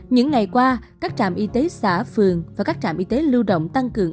những ngày qua các trạm y tế xã phường và các trạm y tế lưu động tăng cường